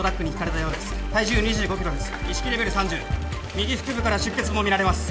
右腹部から出血もみられます。